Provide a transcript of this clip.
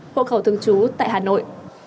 hộ khẩu thường trú tại hà nội